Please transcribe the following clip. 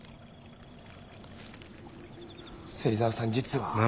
芹沢さん実は。